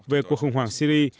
về cuộc khủng hoảng syri